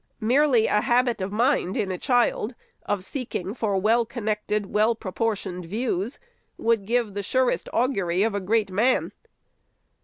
Merely a habit of mind in a child of seeking for well connected, well proportioned views, would give the surest augury of a great man.